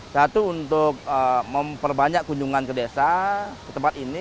satu untuk memperbanyak kunjungan ke desa ke tempat ini